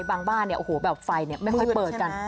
บางบ้านเนี้ยโอ้โหแบบไฟเนี่ยไม่ค่อยเปิดจัง